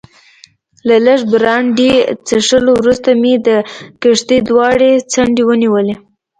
له لږ برانډي څښلو وروسته مې د کښتۍ دواړې څنډې ونیولې.